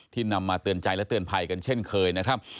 นำมาเตือนใจและเตือนภัยกันเช่นเคยนะครับ